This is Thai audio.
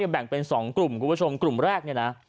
แบ่งเป็น๒กลุ่มคุณผู้ชมกลุ่มแรก